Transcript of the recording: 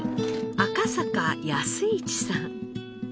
赤坂安一さん。